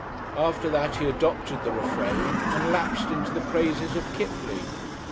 After that he adopted the refrain and then lapsed into the praises of Kipling.